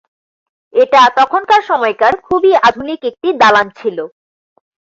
এটা তখনকার সময়কার খুবই আধুনিক একটি দালান ছিল।